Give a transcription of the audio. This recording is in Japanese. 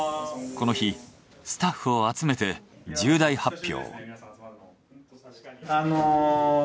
この日スタッフを集めて重大発表。